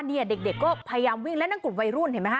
เนี่ยเด็กก็พยายามวิ่งและนั่นกลุ่มวัยรุ่นเห็นไหมฮ